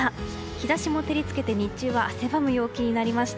日差しも照り付けて日中は汗ばむ陽気になりました。